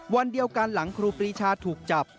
วันเดียวกันหลังครูปรีชาถูกจับ